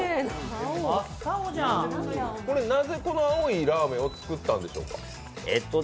なぜ、この青いラーメンを作ったんでしょう。